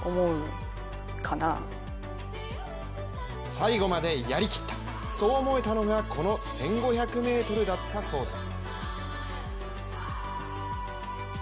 最後までやりきった、そう思えたのがこの１５００ｍだったそうです。